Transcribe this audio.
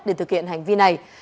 để thực hiện hành vi này